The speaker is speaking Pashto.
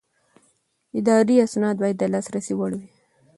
اداري اسناد باید د لاسرسي وړ وي.